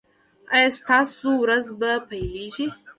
ایا ستاسو ورځ به پیلیږي؟